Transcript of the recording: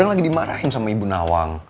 kan lagi dimarahin sama ibu nawang